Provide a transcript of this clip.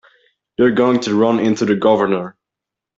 You're going to run into the Governor.